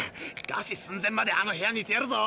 餓死寸前まであの部屋にいてやるぞ。